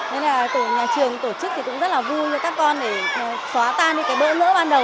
nên là tổ nhà trường tổ chức thì cũng rất là vui cho các con để xóa tan đi cái bỡ ban đầu